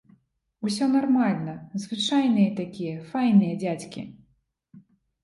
Усё нармальна, звычайныя такія, файныя дзядзькі.